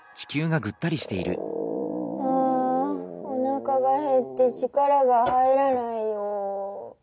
あおなかがへって力が入らないよ。